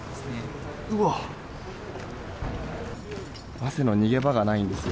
汗の逃げ場がないんですよ。